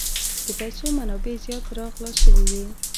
د پیسو منابع زیات را خلاص شوي وې.